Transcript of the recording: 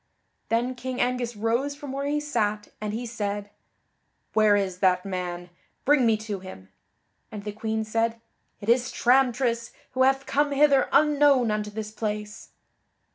Then King Angus rose from where he sat, and he said: "Where is that man? Bring me to him." And the Queen said: "It is Tramtris, who hath come hither unknown unto this place."